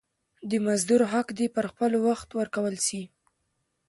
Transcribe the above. د مزدور حق دي پر وخت ورکول سي.